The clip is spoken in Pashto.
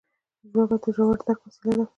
ژبه د ژور درک وسیله ده